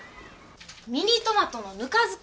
ミニトマトのぬか漬け？